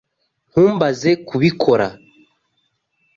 Ntumbaze kubikora.